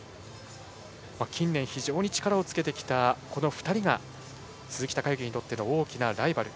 近年、非常に力をつけてきたこの２人が鈴木孝幸にとっての大きなライバル。